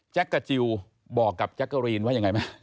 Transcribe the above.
แจ๊กจิลบอกกับแจ๊กเกอร์รีนว่ายังไงมั้ย